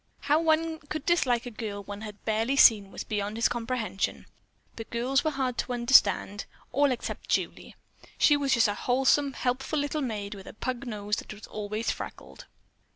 How one could dislike a girl one had barely seen was beyond his comprehension, but girls were hard to understand, all except Julie. She was just a wholesome, helpful little maid with a pug nose that was always freckled.